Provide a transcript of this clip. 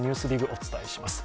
お伝えします。